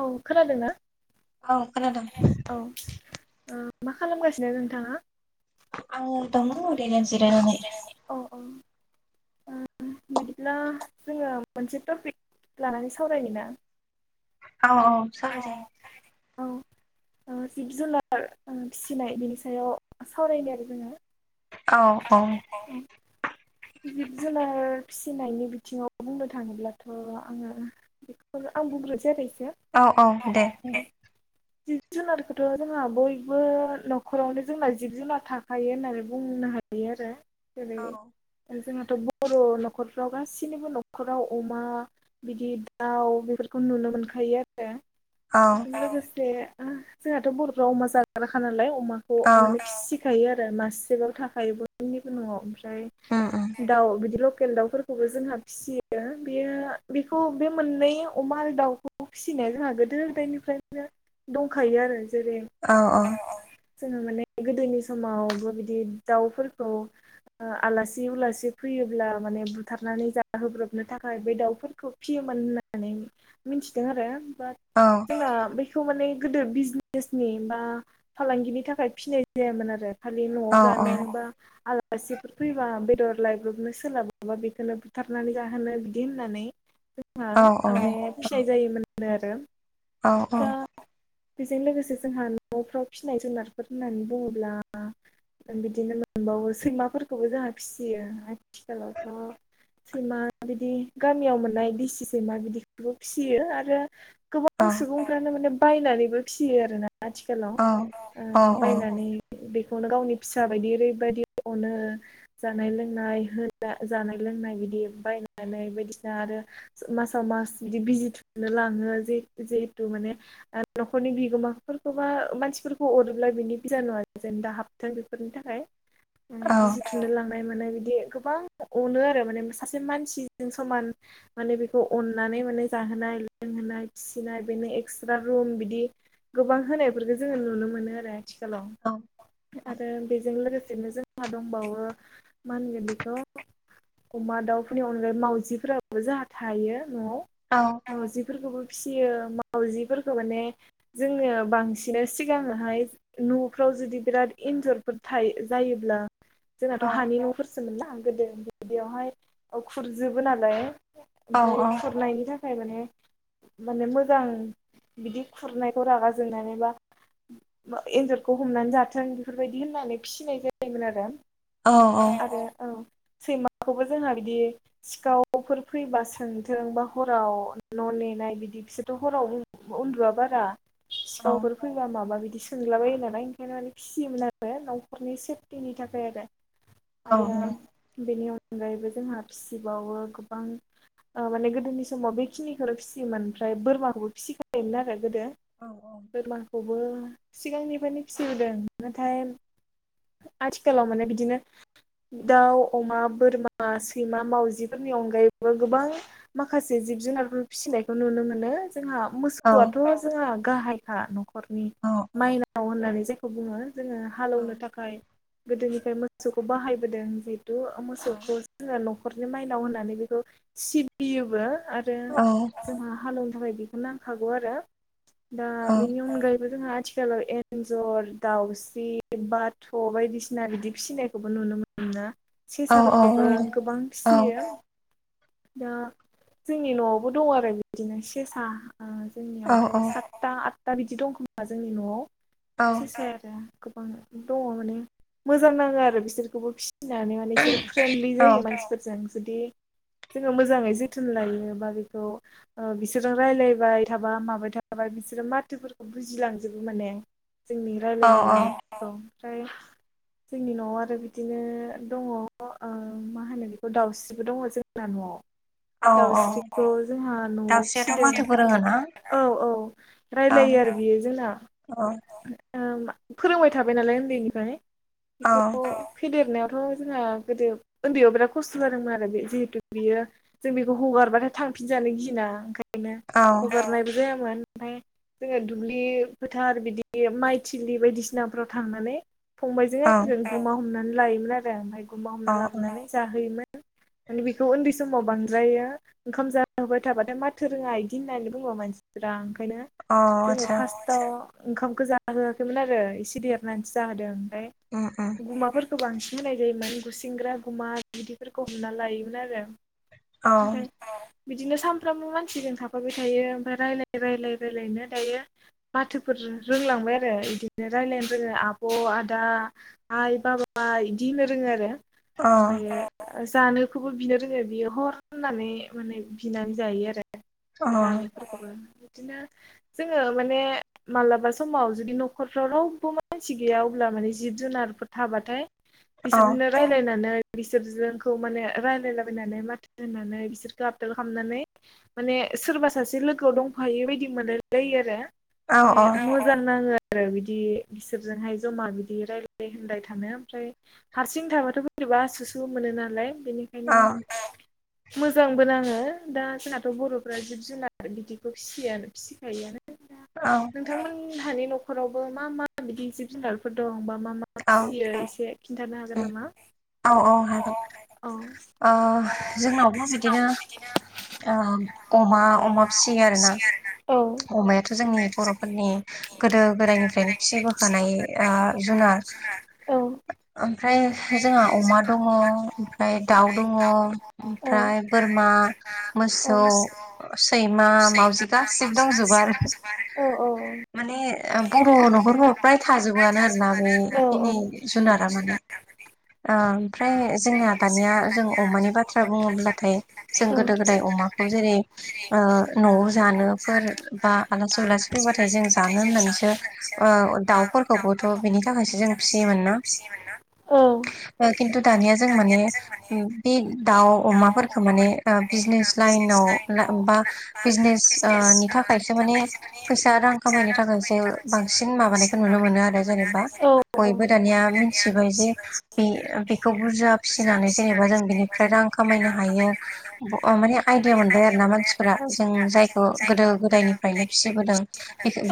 औ खोनादोंना। औ खोनादों। औ ओ मा खालामगासिनो नोंथाङा। आङो दङ' ओरैनो जिरायनानै। अ [unintelligible] बिदिब्ला जोङो मोनसे टपिक लानानै सावरायनोना औ औ सहाय जायो। ओजिब जुनार फिसिनाय बेनि सायाव सावरायदों आरो जोङो औ औ जिब जुनार [unintelligible] फिसिनायनि बिथिङाव बुंनो थाङोब्लाथ' आङो बेखौनो आं बुंग्रोसै आरो औ औ दे जिब जुनारखौथ' जोंहा बयबो न'खरावनो जोंना जिब जुनार थाखायो होननानै बुंनो हायो। [unintelligible] आरो औ जेरै जोंहाथ' बर' न'खरफ्राव गासिनिबो न'खराव अमा बिदि दाउ बेफोरखौ नुनो मोनखायो आरो औ बेजों लोगोसे जोंहाथ' बर' राव अमा जाग्राखा नालाय अमाखौ माने फिसिखायो आरो मासेबाबो थाखायो बयनिबो न'आव ओमफ्राय उम उम औ बिदि लकेल दाउफोरखौबो जोंहा फिसियो बेयो बेखौ बे मोननै अमा आरो दाउ खौ फिसिनाया जोंहा गोदो गोदायनिफ्रायनो दंखायो आरो जेरै औ औ जोङो माने गोदोनि समावबो बिदि दाउफोरखौ आलासि फैयोब्ला माने बुथारनानै जाहोब्रबनो थाखाय बे दाउफोरखौ फियोमोन होननानै मिथिदों आरो बाट औ जोंना बेखौ माने गोदो बिजनेसनि बा फालांगिनि थाखाय फिनाय जायामोन आरो खालि न'आव औ जानो बा आलासिफोर फैबा बेदर लाइब्रबनो सोलाबाबा बेखौनो बुथारनानै जाहोनो बिदि होननानै हा औ माने औ फिनाय जायोमोन आरो औ औ दा बेजों लोगोसे जोंहा न'फ्राव फिसिनाय जुनारफोर होननानै बुङोब्ला बिदिनो मोनबावो सैमाफोरखौबो जोंहा फिसियो आथिखालावथ' सैमा बिदि गामियाव मोननाय दिसि सैमा बिदिखौबो फिसियो आरो गोबां सुबुंफ्रानो माने बायनानैबो फियो आरो ना आथिखालाव ओ औ औ बायनानै बे बेखौनो गावनि फिसा बायदि ओरैबायदि अनो जानाय लोंनाय जानाय लोंनाय बिदि बायनानै बायदिसिना आरो मासाव म मास बिदि बिजि थुनो लाङो जिहेथु माने न'खरनि बिगोमाफोरखौबा मानसिफोरखौ अरोब्ला बिनि बिजानुवा जेन दा हाबथों बेफोरनि थाखाय औ औ बिजि [unintelligible] बिदि गोबां अनो आरो सासे मानसिजों समान माने बिखौ अन [unintelligible] लोंहोनाय फिसिनाय बेनो एक्सत्रा बि गोबां होनायफोर जोङो नुनो मोनो आरो आथिखालाव आरो बेजों लोगोसेनो जोंहा दं बावो मा होनगोन बेखौ अमा दाउफोरनि अनगायै मावजिफोराबो जोहा थायो न'आव मावजिफोरखौबो फिसियो मावजिफोरखौ माने जोङो बांसिन सिगांङोहाय न'फ्राव जुदि बिराद इन्जरफोर था जायोब्ला जोंनाथ' हानि न'फोरसोमोनना गोदो बिदियावहाय खुरजोबो नालाय ओमफ्राय खुरनायनि थाखाय माने माने मोजां बिदि खुरनायखौ रागा जोंनानैबा एन्जरखौ हमनानै जाथों बेफोरबायदि होननानै फिसिनाय जायोमोन आरो आरो सैमाखौबो जोंहा बिदि सिखावफोर फैबा सोंथों बा हराव न' ने नेनाय बिदि बिसोरथ' हराव उन्दुआ बारा सिखावफोर फैबा माबा बिदि सोंलाबायो नालाय ओंखायनो माने फिसियोमोन आरो नावखरनि सो नि थाखाय आरो आरो बेनि अन अनगायैबो ओमफ्राय जोंहा फिसिबावो गोबां माने गोदोनि समाव बे खिनिखौनो फियोमोन। ओमफ्राय बोरमाखौबो फिसिखायोमोन आरो गोदो। बोरमाखौबो सिगांनिफ्रायनो फिसिबोदों नाथाय आथिखालाव माने बिदिनो दाउ अमा बोरमा सैमा मावजिफोरनि अनगायैबो गोबां माखासे जिब जुनारफोर फिसिनायखौ नुनो मोनो। जोंहा मोसौआथ' जोंहा गाहायखा न'खरनि माइनाव होननानै जायखौ बुङो। जोङो हालेवनो थाखाय गोदोनिफ्राय मोसौखौ बाहायबोदों जि मोसौखौ जोङो न'खरनि माइनाव होनानै बेखौ सिबियोबो। आरो जोंहा हालेवनो थाखाय बेखौ नांखागौ ।आरो दा बेनि अनगायै बो जोंहा आथिखालाव एन्जर दाउस्रि बाथ' बायदिसिना बिदि फिसिनायखौबो नुनो मोनो। सेसाफोरखौबोा गोबां फिसियो। दा जोंनि न'आवबो दं आरो बिदिनो सेसा जोंनियावथ' सातथा आदथा बिदि दं खोमा जोंनि न'आव सेसाया। आरो गोबां दङ माने मोजां नाङो आरो बिसोरखौबो फिनानै माने बिसोरो फ्रेन्डलि जायो मानसिफोरजों। जुदि जोङो मोजाङै जोथोन लायो बा बेखौ बिसोरजों रायलायबाय थाबा माबाय थाबा। दा बिसोरो माथोफोरखौ बुजिलांजोबो माने जोंनि रायलायनाय मानायफोरखौ। फ्राय जोंनि न'आव आरो बिदिनो दङ मा होनो बेखौ दाउस्रिबो दङ जोंना न'आव। औ [unintelligible] औ दाउस्रिखौ जोंहा न'आव दाउस्रियाथ' फिसिदों -दावस्रियाथ' माथोबो रोङोना मानोबो रायलायोना? -औ औ रायलायो। आरो बियो जोंना अ ओ फोरोंबाय थाबाय नालाय उन्दैनिफ्राय औ बेखौ फेदेरनायाव। जोंहा गोदो उन्दैयाव बिराद खस्थ' जादोंमोन । बे जिहेथु बियो जों बेखौ हगारबाथाय थांनो थांफिनजानो गिना ओंखायनो औ हगारनायबो जायामोन। ओमफ्राय जोङो दुब्लि फोथार बिदि माइथिलि बायदिसिनाफोराव थांनानै फंबायजों औ आंजों गुमा हमनानै लायोमोन आरो ओमफ्राय गुमा हमना औ लाबोनानै जाहोयोमोन । माने बेखौ उन्दै समाव बांद्रायो ओंखाम जाहोबाय थाबाथाय माथो रोङा बिदि होननानै बुंङो मानसिफ्रा। ओंखायनो औ जोङो आतसा फार्स्टआव ओंखामखौ जाहोआखैमोन आरो एसे देरनानैसो जाहोदों। ओ ओ खौ बांसिन होनाय जायोमोन गुसेंग्रा गुमा बिदिफोरखौ हमना लायोमोन। आरो ओमफाय औ बिदिनो सानफ्रामबो मानसिजों थाफाबाय थायो। ओमफ्राय रायलाय रायलाय रायलायनो दायो माथोफोर रोंलांबाय आरो बिदिनो राय्लायनो रोङो आब आब' आदा आइ बाबा बिदि होनो रोङो । आरो औ ओमफ्रायो जानोखौबो बिनो रोंङो बियो हर होननानै माने बिनानै जायो । आरो औ जानायफोरखौबो बिदिनो जोङो माने मालाबा समाव जुदि न'खरफ्राव रावबो माने मानसि गैया अब्ला माने जिब जुनारफोर थाबाथाय औ बिसोरनो रायलायनानै बिसोरजोंखौ माने राय्लायलाबायनानै माथो होननानै बिसोरखौ आपदाल खालामनानै माने सोरबा सासे लोगोआव दंफायो बायदि मोनलायलायो आरो औ माने मोजां नाङो आरो बिदि। बेफोरजोंहाय जमा बिदि रायजलाय होनलाय थानो, ओमफ्राय हारसिं थाबाथ' बोरैबा आसुसु मोनो नालाय। औ बेनिखायनो, मोजांबो नाङो दा जोंहाथ' बर'फ्रा जिब जुनार बिदिखौ फिसियाफिसिखायोआनो औ नोंथांमोनहानि न'खरावबो मा मा बिदि जिब जुनारफोर दं? बा मा मा फिसियो एसे खिन्थानो हागोन नामा? औ-औ हागोन। औ ओ जोंनावबो बिदिनो ओ अमा-अमा फिसियो आरोना औ अमायाथ जोंनि बरफोरनि गोदो गोदायनिफ्रायनो फि फिबोखानाय ओ जुनार औ थिग ओमफ्राय जोंहा अमा दंङ ओमफ्राय दाउ दंङ औ ओमफ्राय बोरमा, मोसौ, सैमा, मावजिगा दंङजोबो आरो औ माने बर न फ्राय थाजोबोआनो आरोना औ बेखिनि जुनारा माने ओ फ्राय जोंनिया दानिया जों अमानि बाथ्रा बुंङोब्लाथाय जों गोदो गोदाय अमाखौ जेरै ओ नआव जानो फोर बा आलासि उलासि फैबाथाय जों जानो होनानैसो ओ दाउफोरखौबोथ बिनि बेनि जों थाखायसो फिसियोमोन ना जों फिसियोमोन ना औ खिन्थु दानिया जों माने उम बे दाउ अमाफोरखौ माने ओ बिजनेस लाइनाव अ ना‌ बा बिजनेसयाव ओ नि थाखायसो माने फैसा रां खामायनो थाखायसो बांसिन माबानायखौ नुनो मोनो आरो जेरै बा औ औ बयबो दानिया मिथिबाय जे बे बेखौ बुरजा फिसिनानै जेनेबा जों बिनिफ्राय रां खामायनो हायो ओ माने आइदिया मोनबाय आरोना मानसिफोरा जों जाय ओ गोदो गोदायनिफ्रायनो फिसिबोदों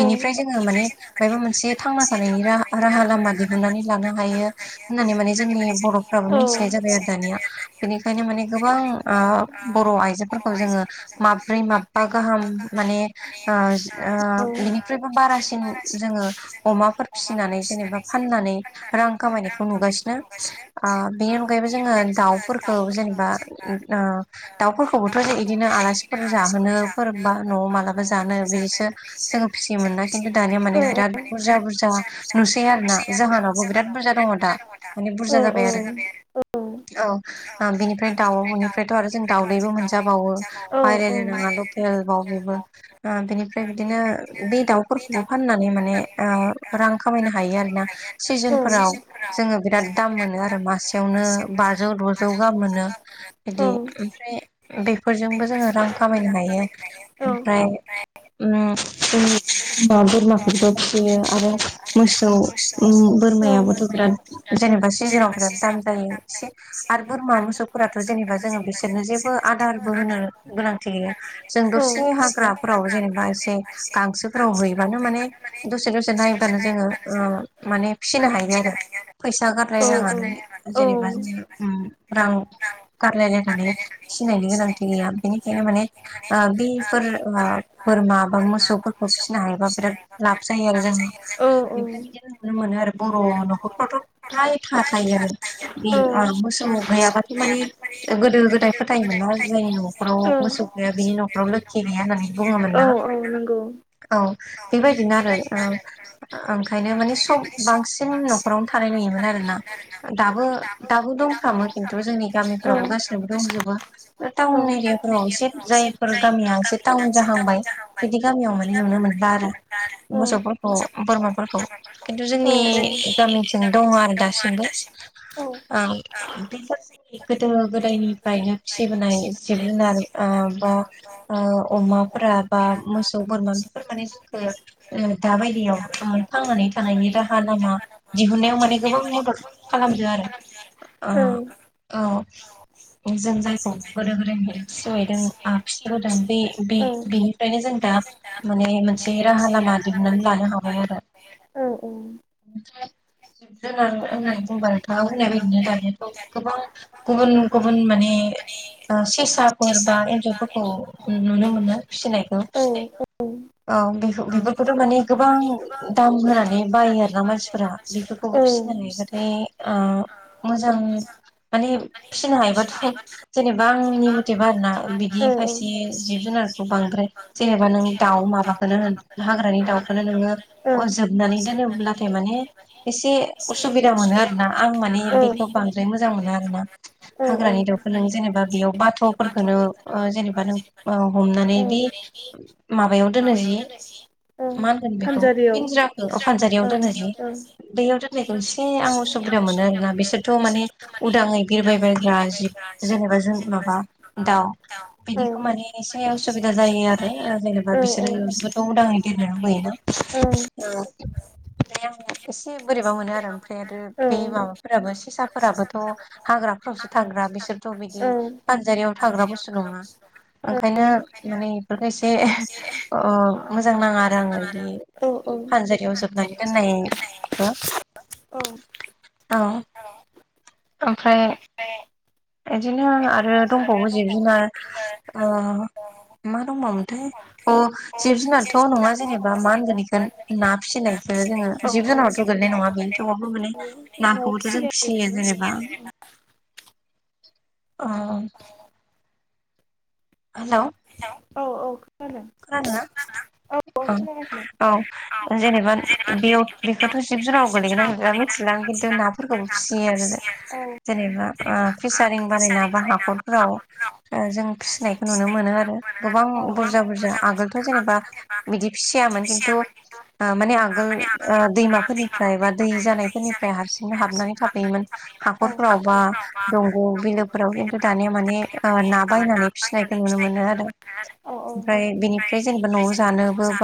बिनिफ्राय जोंङो माने मायेबा मोनसे थांना थानायनि रा हा राहा लामा दिहुननानै लानो हायो। माने जोंनि बरफ्राबो मिथिनाय जाबाय आरो दानिया बेनिखायनो माने गोबां ओ‌ बर आइजोफोरखौ जोंङो माब्रै माब बा गाहाम माने ओ-ओ बिनिख्रुइबो बारासिन जोंङो अमा फिनानै जेनबा फाननानै रां खामनायखौ हमगासिनो आ बेनि अनायैबो जोंङो दावफोरखौ जेनेबा ओ दाव दाफोरखौबोथ इदिनो आलासिफोर जाहोनो बा नआव मालाबा जानो बिदिसो जोंङो फिसियोमोन ना खिन्थु दानिया माने बिराद बुरजा-बुरजा नुसै आरोना जाहानावबो बिराद बुरजा दंङ दा माने बुरजा जाबाय आरो आरो औ ओ बिनिफ्राय दाउनिफ्रायथ आरो जों दाउदैबो मोनजाबावो बायलाय जाबावो लायनांङा गेलेबावबोयो बेबो बिनिफ्राय बिदिनो बे दाउफोरखौबो फाननानै माने ओ रां खामायनो हायो आरोना सिजोनफोराव जोंङो बिराद दाम मोनो आरो मासेयावनो बाजौ दजौ गाहाम मोनो बिदि ओमफ्राय बेफोरजोंबो जोंङो रां खामायनो हायो बिदि ओमफ्राय उं होनबा बोरमाफोरखौथ फिसियो आरो मोसौ उम बोरमायाबोथ बिराद जेनेबा सिजोनाव बिराद दाम जायो एसे आरो बोरमा मोसौफोराथ जेनेबा जोंङो बिसोर जेबो आदारबो होनो गोनांथि गैया जों दसे हाग्राफोराव जेनेबा एसे गांसोफोराव हैबानो माने दसे दसे नायबानो जोंङो ओ माने फिनो हायो आरो फैसा गारलायनांया औ जेनेबा जोंङो रां गारलायलायनानै फिनायनि गोनांथि गैया बेनिखायनो माने ओ बिफोर बोरमा बा मोसौफोरखौ फिसिनो हायोबा बिराद लाब जायो आरो औ जों बेदिनो आरो ब र' नख'रफ्रावथ फ्राय थाखायोआनो इ‌ औ ओ मोसौ गैयाबाथ माने गोदो गोदाय फोथायोमोन ना जायनि नखराव औ मोसौ गैया बिनि नखराव लोखि गैया होननानै बुंङोमोन औ ना औ नंगौ औ बेबायदिनो आरो ओ ओंखायनो माने सब बां सिन नख'रावनो थानाय नुयोमोन आरोना दाबो-दाबो दंफ्रामो खिन्थु जोंनि औ गामिफोरावबो गा सिबो दंजोबो ओ टावन एरियाफोरावबो एसे जायफोर गामिया एसे टाउन जाहांबाय बिदि गामियाव माने नुनो मोनला आरो औ मोसौफोर खौ बोरमाफोरखौ खिन्थु औ जोंनि गामिथिं दङ आरो दासिमबो औ अ बेफोर जोंनि गोदो गोदायनिफ्रायनो फिसिबोनाय जिब-जुनार ओ बा बा अमाफोरा बा मोसौ बोरमा बेफोर माने जोंखौ ओ दा बायदि याव थां-थांनानै थानायनि राहा दिहुनन्नायाव माने गोबां मदद खालामदो आरो औ औ जों जायखौ गोदो गोदायनिफ्राय सिबायदों आ फिसिबोदों औ बे-बे-बेनिफ्रायनो जों दा माने मोनसे राहा लामा दिहुननानै लानो हाबाय आरो औ औ ओमफ्राय जिब-जुनार होननानै बुंबा नोंथाङा' बुंनाय बायदिनो दानियाथ' गोबां गुबुन गुबुन माने अ सेसाफोर बा एन्जरफोरखौ नुनो मोनो फिसिनायखौ औ बेखौ बेफोरखौथ' माने गोबां दाम होनानै बायो आरोना मानसिफोरा बेफोरखौ फिसिनो बाथाय अ मोजां माने फिसिनो हायोबाथ' जेनेबा आंनि मथेबा आरोना बिदि खायसे जिब-जुनारखौ बांद्राय जेनेबा नों दाउ माबाखौनो होन हाग्रानि दाउखौनो नोङो अजोबनानै दोनोब्लाथाय माने एसे असुबिदा मोनो आरो ना आं माने बेखौ बांद्राय मोजां मोना आरोना औ हाग्रानि दाउखौ नों जेनेबा बेयाव बाथ'फोरखौनो अ जेने बा नों हमनानै बे औ औ माबायाव दोनो जि ओं मा होनगोन बेखौ फानजारियाव पिन्जिराखौ फानजारियाव ओं दोनो जि बैयाव दोन नायखौ जि आं असुबिदा मोनो आरोना बिसोरथ' माने उदाङै बिरबायबायग्रा जिब जेनेबा जों जेनेबा माबा जों ना औ दाउ बिदिखौ माने एसे उसुबिदा जायो आरो ओं जेनेबा औ औ बिसोरोथ' उदाङै देरनो लुुबैयोना द आं दे एसे बोरै मोनो आरो ओमफ्राय आरो औ बे माबाफोराबो सेसाफोराबोथ' हाग्राफोरावसो थाग्रा बेसोरथ' बे औ बिदि फानजारियाव थाग्रा बुस्थु नङा [inaudible] ओंखायनो माने इफोरखौ एसे अ मोजां नाङा आरो आङो औ इदि फानजारियाव जोबनानै दोननाय खौ औ ओमफ्राय इदिनो आरो दंबावो जिब-जुनार अ मा दंबामोनथाय अ जिब-जुनारथ' नङा जेनेबा मा होनगोन इखौ ना फिसि नायखौ जोङो जिब-जुनारथ' गोगलैनाय नङा बि थेवबाबो माने औ न'आव नाखौबोथ' जों फिसिनाय आरो फिसियो बेबो जेनेबा [inaudible] अ औ औ खोनादों खोनादो ना? औ औ औ जेनेबा बेयाव बेखौथ' जिब जुनाव गोलैगोन गोलैया मिथिलां किन तु नाफोरखौबो फिसियो आरो जों जों जेनेबा अ फिसारिं बानायना बा हाखरफोराव अ जों फिसिनायखौ नुनो मोनो आरो गोबां बुर जा आगोलथ' जेनेबा बिदि फिसियामोन किन्तु अ माने आगोल अ दैमाफो निफ्राय बा दै लायोमोन जानायफोरनिफ्राय हारसिंनो हाबनानै थाफैयोमोन हाखरफोराव बा दंग' बिलोफोराव किन्तु दानिया माने अ ना बायनानै फिसिनायखौ नो आरो औ औ ओमफ्राय बेनिफ्राय जेनेबा न'आव जानोबो बा